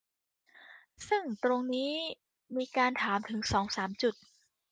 ซึ่งตรงนี้มีการถามถึงสองสามจุด